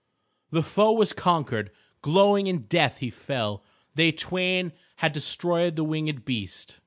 The foe was conquered. Glowing in death he fell. They twain had destroyed the winged beast.